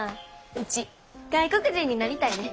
ウチ外国人になりたいねん。